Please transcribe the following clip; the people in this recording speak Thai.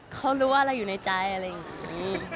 เขารู้ว่าเราอยู่ในใจอะไรอย่างนี้